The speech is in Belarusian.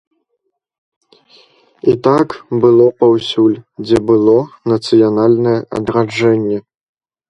І так было паўсюль, дзе было нацыянальнае адраджэнне.